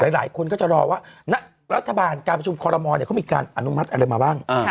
หลายคนก็จะรอว่ารัฐบาลการประชุมคอรมอลเขามีการอนุมัติอะไรมาบ้าง